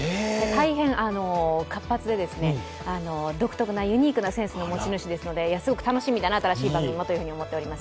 大変活発で、独特なユニークなセンスの持ち主ですので、すごく楽しみだな、新しい番組もと思っております。